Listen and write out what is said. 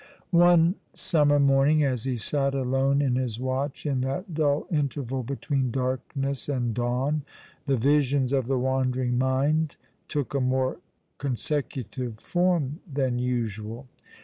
One summer morning, as he sat alone in his watch in that dull interval between darkness and dawn, the visions of the wandering mind took a more consecutive form than usual.